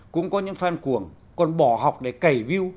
cũng có những fan cuồng còn bỏ học để cày view